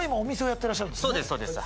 そうですそうです。